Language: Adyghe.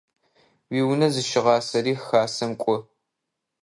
Уиунэ зыщыгъасэри Хасэм кIо.